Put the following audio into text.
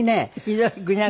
ひどい。